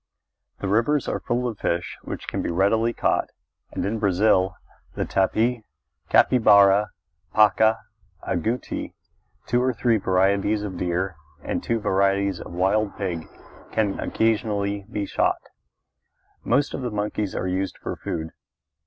The rivers are full of fish which can readily be caught, and, in Brazil, the tapir, capybara, paca, agouti, two or three varieties of deer, and two varieties of wild pig can occasionally be shot; and most of the monkeys are used for food.